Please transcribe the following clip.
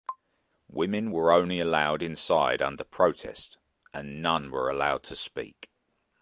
Women were only allowed inside under protest and none were allowed to speak.